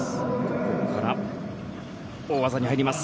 ここから大技に入ります。